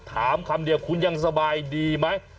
ถามคำเดียวอย่างสบายดีไหม